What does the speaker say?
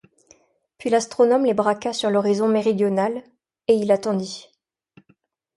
Puis l’astronome les braqua sur l’horizon méridional, et il attendit.